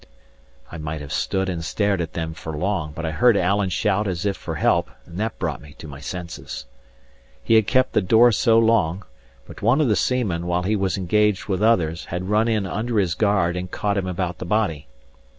I might have stood and stared at them for long, but I heard Alan shout as if for help, and that brought me to my senses. He had kept the door so long; but one of the seamen, while he was engaged with others, had run in under his guard and caught him about the body.